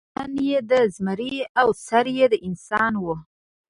تنه یې د زمري او سر یې د انسان و.